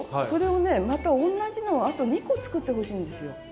それをねまた同じのをあと２個作ってほしいんですよ。